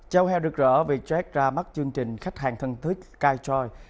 chào heo được rỡ vietjet ra mắt chương trình khách hàng thân thích kitejoy